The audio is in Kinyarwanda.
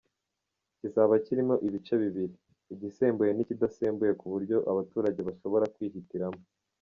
Kizaba kirimo ibice bibiri, igisembuye n’ikidasembuye ku buryo abaturage bashobora kwihitiramo.